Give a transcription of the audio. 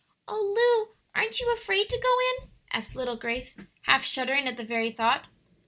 "Oh Lu, aren't you afraid to go in?" asked little Grace, half shuddering at the very thought.